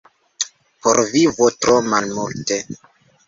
Por vivo tro malmulte.